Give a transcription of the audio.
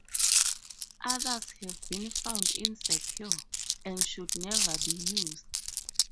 Others have been found insecure, and should never be used.